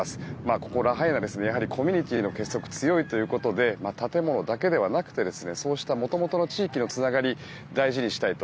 ここラハイナはコミュニティーの結束が強くて建物だけではなくてもともとの地域のつながりを大事にしたいと。